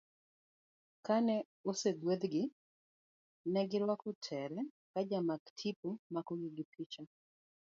Kane osegwedhgi, negi rwako tere ka jamak tipo makogi gi picha.